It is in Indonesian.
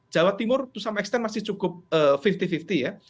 jawa timur itu sama ekstern masih cukup lima puluh lima puluh ya